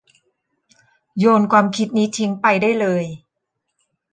โยนความคิดนี้ทิ้งไปได้เลย